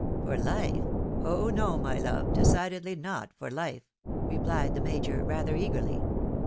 "For Hfe? Oh, no! my love, decidedly not for life," re plied the Major, rather eagerly.